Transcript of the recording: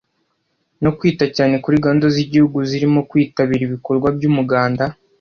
no kwita cyane kuri gahunda z’igihugu zirimo kwitabira ibikorwa by’umuganda